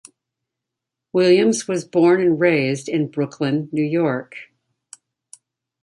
Williams was born and raised in Brooklyn, New York.